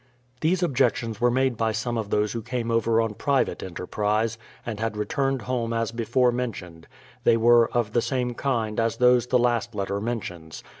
These objections were made by some of those who came over on private enterprise, and had returned home as before mentioned; they were of the same kind as those the last letter mentions.